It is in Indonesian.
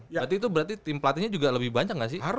berarti itu berarti tim pelatihnya juga lebih banyak gak sih